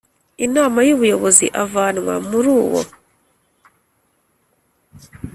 Inama y Ubuyobozi avanwa muri uwo